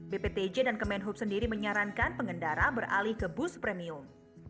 bptj dan kemenhub sendiri menyarankan pengendara beralih ke bus premium